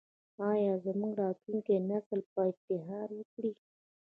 آیا زموږ راتلونکی نسل به افتخار وکړي؟